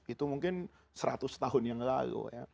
itu mungkin seratus tahun yang lalu ya